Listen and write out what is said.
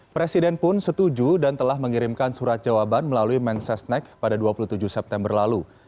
presiden pun setuju dan telah mengirimkan surat jawaban melalui mensesnek pada dua puluh tujuh september lalu